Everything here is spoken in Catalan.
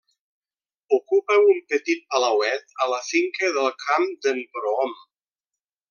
Ocupa un petit palauet a la finca del Camp d'en Prohom.